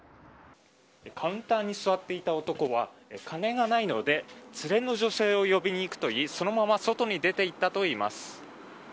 カウンターに座っていた男は金がないので連れの女性を呼びに行くと言いそのまま外に出て行ったといいます。